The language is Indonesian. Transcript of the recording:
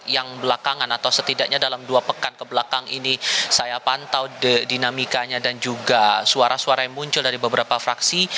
yang belakangan atau setidaknya dalam dua pekan kebelakang ini saya pantau dinamikanya dan juga suara suara yang muncul dari beberapa fraksi